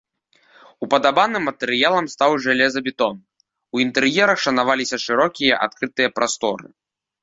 Упадабаным матэрыялам стаў жалезабетон, у інтэр'ерах шанаваліся шырокія адкрытыя прасторы.